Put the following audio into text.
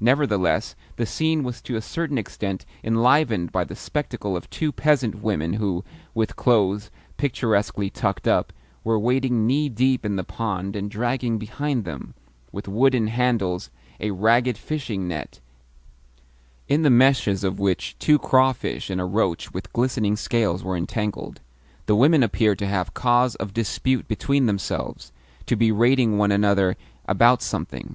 Nevertheless the scene was to a certain extent enlivened by the spectacle of two peasant women who, with clothes picturesquely tucked up, were wading knee deep in the pond and dragging behind them, with wooden handles, a ragged fishing net, in the meshes of which two crawfish and a roach with glistening scales were entangled. The women appeared to have cause of dispute between themselves to be rating one another about something.